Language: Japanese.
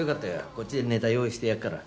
こっちでネタ用意してやっから。